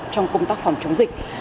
trong công tác phòng chống dịch